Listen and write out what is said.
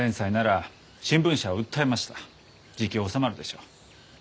じき収まるでしょう。